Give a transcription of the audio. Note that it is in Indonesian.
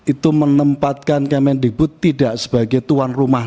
itu menempatkan kemendikbud tidak sebagai tuan rumah